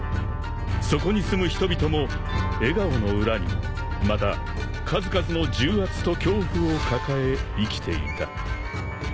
［そこに住む人々も笑顔の裏にまた数々の重圧と恐怖を抱え生きていた］